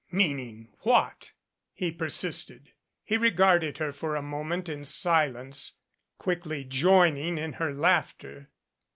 "Meaning what?" he persisted. He regarded her for a moment in silence, quickly join ing in her laughter.